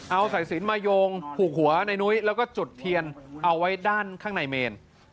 เอาสายสินมาโยงผูกหัวในนุ้ยแล้วก็จุดเทียนเอาไว้ด้านข้างในเมน